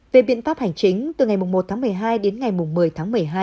về biện pháp hành chính từ ngày một tháng một mươi hai đến ngày một mươi tháng một mươi hai